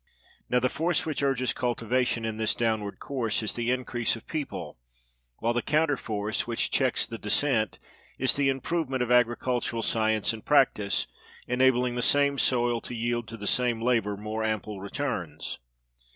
Now, the force which urges cultivation in this downward course is the increase of people; while the counter force, which checks the descent, is the improvement of agricultural science and practice, enabling the same soil to yield to the same labor more ample returns.